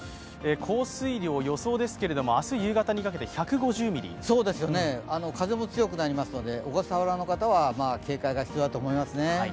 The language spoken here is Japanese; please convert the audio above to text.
降水量予想ですけども、明日夕方にかけて風も強くなりますので、小笠原の方は警戒が必要だと思いますね。